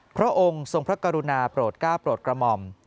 พระองค์ทรงพระกรุณาโปรดก้าวโปรดกระหม่อม